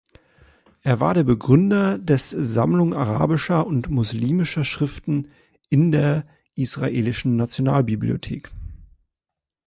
Er war der Begründer des Sammlung arabischer und muslimischer Schriften in der israelischen Nationalbibliothek.